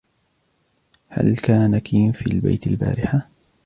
هل كان كين في البيت البارحة ؟